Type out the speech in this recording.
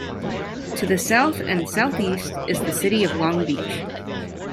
To the south and southeast is the city of Long Beach.